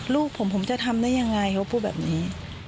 ลูกผมผมจะทำได้ยังไงเขาพูดแบบนี้